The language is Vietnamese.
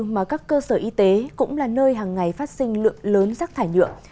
mà các cơ sở y tế cũng là nơi hàng ngày phát sinh lượng lớn rác thải nhựa